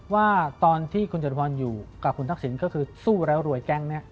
ว่าตอนที่คุณจตุพรอยู่กับคุณทักษิณก็คือสู้แล้วรวยแก๊งนี้